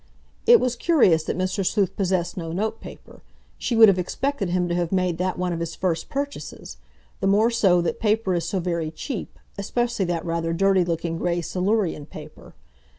It was curious that Mr. Sleuth possessed no notepaper. She would have expected him to have made that one of his first purchases—the more so that paper is so very cheap, especially that rather dirty looking grey Silurian paper.